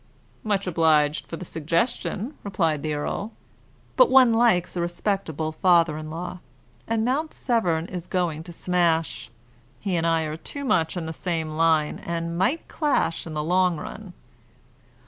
"Much obliged for the suggestion," replied the earl. "But one likes a respectable father in law, and Mount Severn is going to smash. He and I are too much in the same line, and might clash, in the long run."